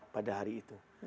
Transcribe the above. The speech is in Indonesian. pada hari itu